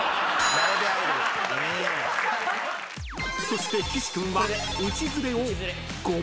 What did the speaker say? ［そして岸君は］